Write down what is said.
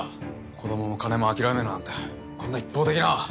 子供も金も諦めろなんてこんな一方的な。